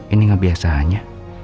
ini gak biasanya